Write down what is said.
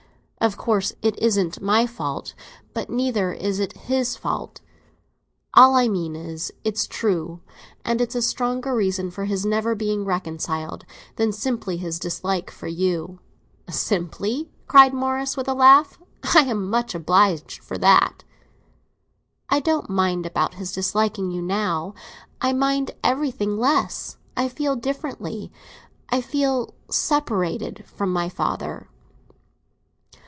Of course, it isn't my fault; but neither is it his fault. All I mean is, it's true; and it's a stronger reason for his never being reconciled than simply his dislike for you." "'Simply?'" cried Morris, with a laugh, "I am much obliged for that!" "I don't mind about his disliking you now; I mind everything less. I feel differently; I feel separated from my father."